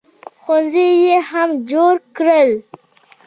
ښوونځي یې هم جوړ کړل.